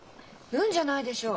「うん」じゃないでしょ。